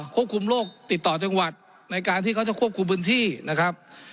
ควบคุมโรคติดต่อจังหวัดในการที่เขาจะควบคุมพื้นที่นะครับ